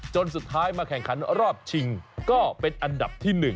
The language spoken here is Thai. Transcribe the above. จนสุดท้ายมาแข่งขันรอบชิงก็เป็นอันดับที่๑